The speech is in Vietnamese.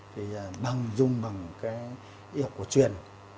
thì bằng dung bằng cái y học cổ truyền